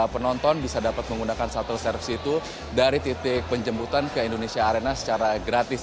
penonton bisa dapat menggunakan shuttle service itu dari titik penjemputan ke indonesia arena secara gratis